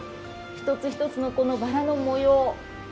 一つ一つのこのバラの模様